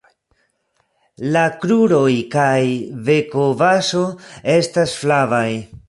La kruroj kaj bekobazo estas flavaj.